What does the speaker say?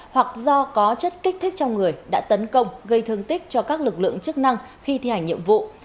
hoặc do có chất kích thích trong người đã tấn công gây thương tích cho các lực lượng chức năng khi thi hành nhiệm vụ